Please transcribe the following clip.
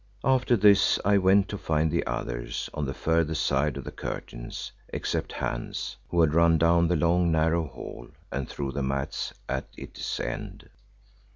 After this I went to find the others on the further side of the curtains, except Hans, who had run down the long narrow hall and through the mats at its end.